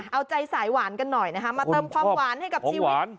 เอาใจสายหวานกันหน่อยนะคะมาเติมความหวานให้กับชีวิต